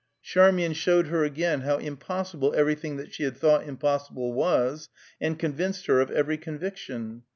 Charmain showed her again how impossible everything that she had thought impossible was, and convinced her of every conviction.